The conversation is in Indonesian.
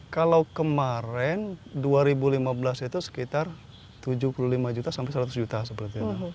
kalau kemarin dua ribu lima belas itu sekitar tujuh puluh lima juta sampai seratus juta seperti itu